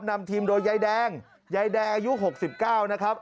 นำทีมโดยยายแดงยายแดงอายุ๖๙นะครับ